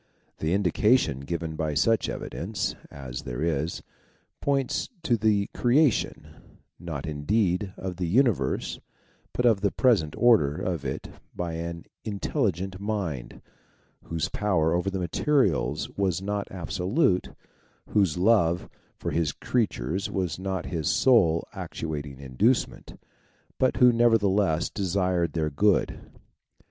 The indication given by such evidence GENERAL RESULT 243 as there is. points to the creation, not indeed of the universe, but of the present order of it by an In telligent Mind, whose power over the materials was not absolute, whose love for his creatures was not his sole actuating inducement, but who nevertheless desired their good.